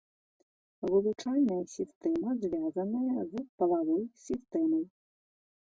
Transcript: Вылучальная сістэма звязаная з палавой сістэмай.